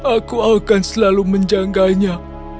aku akan selalu menjanggainya